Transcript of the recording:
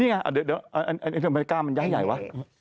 นี่ไงเดี๋ยวอันนี้รายการมันย้ายวะ